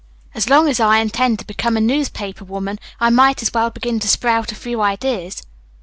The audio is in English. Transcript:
As long as I intend to become a newspaper woman I might as well begin to sprout a few ideas."